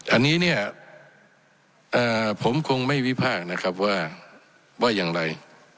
อันนี้เนี่ยผมคงไม่วิพากษ์นะครับว่าว่าอย่างไร